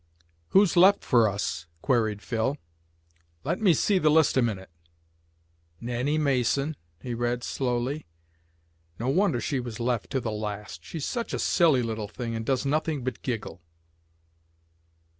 "Who's left for us?" queried Phil. "Let me see the list a minute. Nannie Mason," he read, slowly. "No wonder she was left to the last; she's such a silly little thing and does nothing but giggle.